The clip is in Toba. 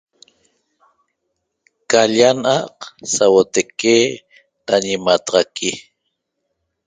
Ca l-lla na'aq sauotaique da ñimataxaqui